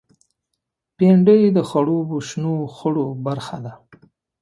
بېنډۍ د خړوبو شنو خوړو برخه ده